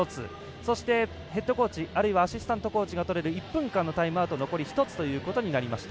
そして、ヘッドコーチあるいはアシスタントコーチがとれる１分間のタイムアウト残り１つとなりました。